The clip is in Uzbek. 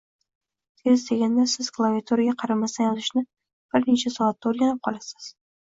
Tez deganda Siz klaviaturaga qaramasdan yozishni bir necha soatda o’rganib olasiz